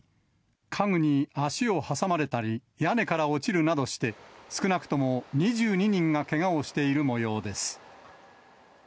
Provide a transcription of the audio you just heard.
家具に足を挟まれたり、屋根から落ちるなどして、少なくとも２２人がけがをしているもようです。